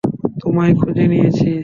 তোমায় খুঁজে নিয়েছি।